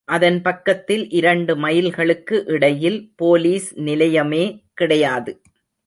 அதன் பக்கத்தில் இரண்டு மைல்களுக்கு இடையில் போலிஸ் நிலையமே கிடையாது.